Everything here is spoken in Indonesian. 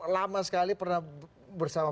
lama sekali pernah bersama